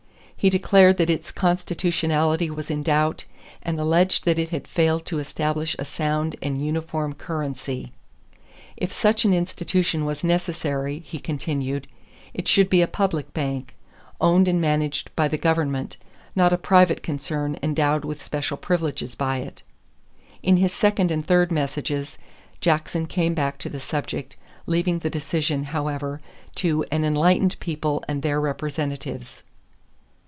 He declared that its constitutionality was in doubt and alleged that it had failed to establish a sound and uniform currency. If such an institution was necessary, he continued, it should be a public bank, owned and managed by the government, not a private concern endowed with special privileges by it. In his second and third messages, Jackson came back to the subject, leaving the decision, however, to "an enlightened people and their representatives."